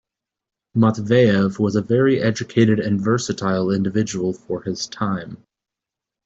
Matveyev was a very educated and versatile individual for his time.